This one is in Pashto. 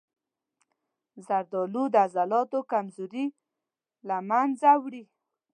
زردآلو د عضلاتو کمزوري له منځه وړي.